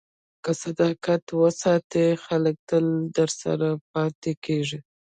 که صداقت وساتې، خلک تل درسره پاتې کېږي.